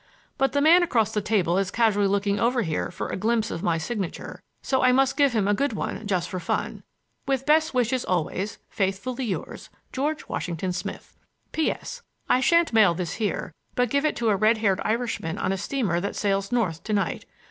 But the man across the table is casually looking over here for a glimpse of my signature, so I must give him a good one just for fun. With best wishes always, Faithfully yours, GEORGE WASHINGTON SMITH. P. S—I shan't mail this here, but give it to a red haired Irishman on a steamer that sails north to night.